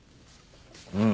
うん。